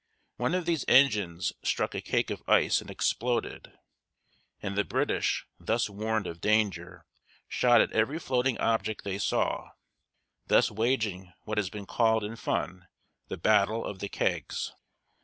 One of these engines struck a cake of ice and exploded, and the British, thus warned of danger, shot at every floating object they saw, thus waging what has been called in fun the "Battle of the Kegs."